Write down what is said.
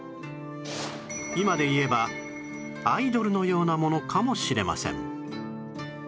今でいえばアイドルのようなものかもしれません